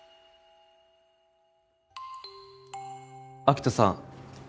秋斗さん。